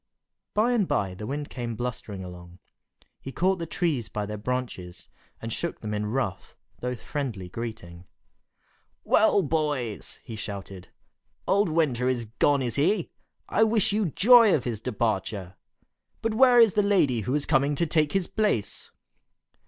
By and by the Wind came blustering along. He caught the trees by their branches, and shook them in rough, though friendly greeting. "Well, boys!" he shouted, "Old Winter is gone, is he? I wish you joy of his departure! But where is the lady who was coming to take his place?"